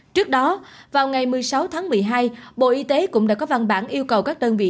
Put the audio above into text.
trước đó vào ngày một mươi sáu tháng một mươi hai bộ y tế cũng đã có văn bản yêu cầu các đơn vị